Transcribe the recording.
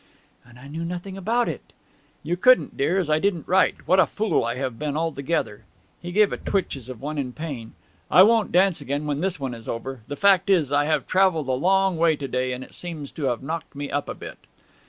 'And I knew nothing about it!' 'You couldn't, dear, as I didn't write. What a fool I have been altogether!' He gave a twitch, as of one in pain. 'I won't dance again when this one is over. The fact is I have travelled a long way to day, and it seems to have knocked me up a bit.'